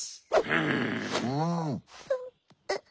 うん！